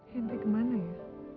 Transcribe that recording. henry kemana ya